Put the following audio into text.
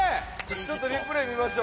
ちょっとリプレイ見ましょう。